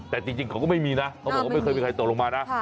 แต่จริงเขาก็ไม่มีนะเขาบอกว่าไม่เคยมีใครตกลงมานะ